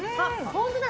本当だ！